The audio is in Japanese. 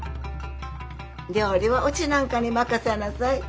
料理はうちなんかに任せなさい。